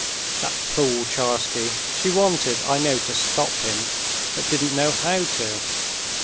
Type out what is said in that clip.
("That fool Tcharsky: she wanted, I know, to stop him, but didn't know how to.")